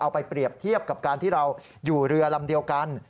ไปเปรียบเทียบกับการที่เราอยู่เรือลำเดียวกัน